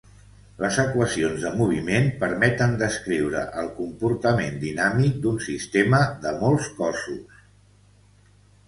Les equacions de moviment permeten descriure el comportament dinàmic d'un sistema de molts cossos.